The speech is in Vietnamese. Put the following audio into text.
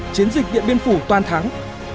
chiến dịch điện biên phủ toàn thắng